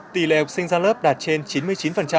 tỷ lệ học sinh ra lớp đạt trên chín mươi chín